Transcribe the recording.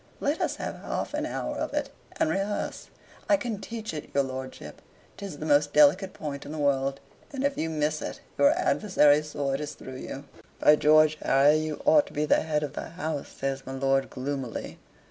Let us have half an hour of it, and rehearse I can teach it your lordship: 'tis the most delicate point in the world, and if you miss it, your adversary's sword is through you." "By George, Harry, you ought to be the head of the house," says my lord, gloomily.